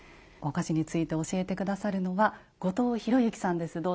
お菓子について教えて下さるのは後藤宏之さんです。